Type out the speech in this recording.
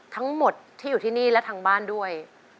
ทั้งหมดที่อยู่ที่นี่และทางบ้านด้วย